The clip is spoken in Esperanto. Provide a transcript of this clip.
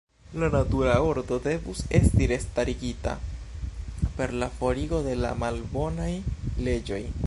La natura ordo devus esti restarigita per la forigo de la malbonaj leĝoj.